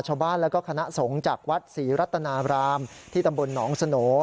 ชบ้านและคณะสงฆ์จากวัดศรีรัตนารามที่กนสน